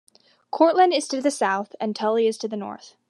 Cortland is to the south, and Tully is to the north.